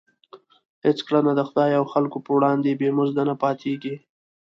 هېڅ کړنه د خدای او خلکو په وړاندې بې مزده نه پاتېږي.